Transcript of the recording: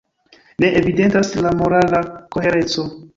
Ne evidentas la morala kohereco.